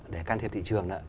để can thiệp thị trường đó